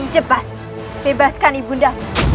cepat bebaskan ibunda